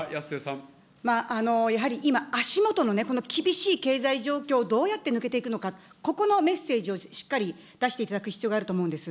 やはり今、足下のこの厳しい経済状況をどうやって抜けていくのか、ここのメッセージをしっかり出していただく必要があると思うんです。